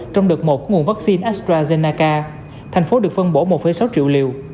trong đợt một của nguồn vaccine astrazennaca thành phố được phân bổ một sáu triệu liều